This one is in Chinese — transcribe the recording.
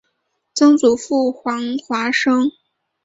曾祖父黄华生。